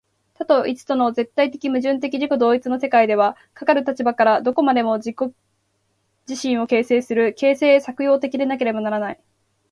多と一との絶対矛盾的自己同一の世界は、かかる立場からはどこまでも自己自身を形成する、形成作用的でなければならない。